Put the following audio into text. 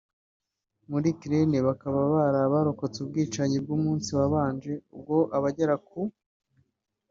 muri Ukraine bakaba bari abarokotse ubwicanyi bw’umunsi wabanje ubwo abagera ku